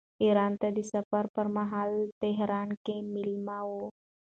ایران ته د سفر پرمهال تهران کې مېلمه و.